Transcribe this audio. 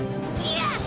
よし！